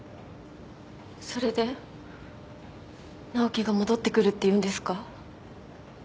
それで直樹が戻ってくるっていうんですか？